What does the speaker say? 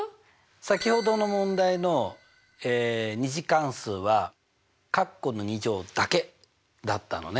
先ほどの問題の２次関数はカッコの２乗だけだったのね。